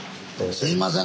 すいません